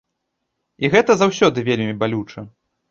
І гэта заўсёды вельмі балюча.